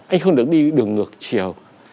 anh không được đi đường ngược chiều